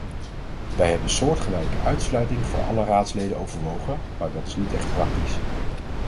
Wij hebben soortelijke uitsluitingen voor alle raadsleden overwogen, maar dat is niet echt praktisch.